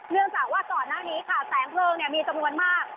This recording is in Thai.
เนื่องจากว่าก่อนหน้านี้ค่ะแสงเพลิงมีจำนวนมาก